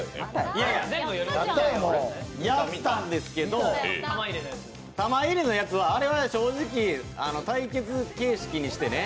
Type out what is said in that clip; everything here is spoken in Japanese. いやいや、やったんですけど玉入れのやつはあれは正直、対決形式にしてね